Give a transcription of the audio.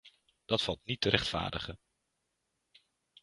Dat valt niet te rechtvaardigen.